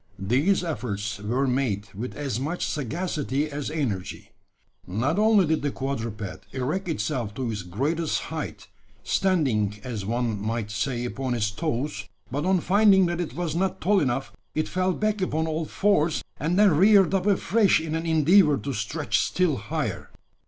These efforts were made with as much sagacity as energy. Not only did the quadruped erect itself to its greatest height standing, as one might say, upon its toes but on finding that it was not tall enough, it fell back upon all fours, and then reared up afresh in an endeavour to stretch still higher.